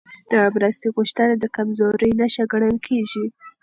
د مرستې غوښتنه د کمزورۍ نښه ګڼل کېږي.